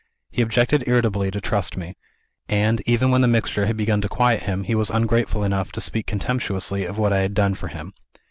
He objected irritably to trust me; and, even when the mixture had begun to quiet him, he was ungrateful enough to speak contemptuously of what I had done for him.